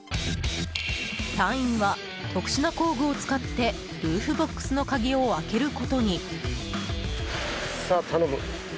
隊員は特殊な工具を使ってルーフボックスの鍵を開けることに。